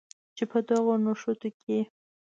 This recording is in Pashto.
چې په دغو نښتو کې